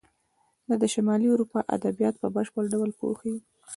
دا د شمالي اروپا ادبیات په بشپړ ډول پوښي.